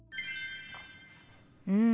うん。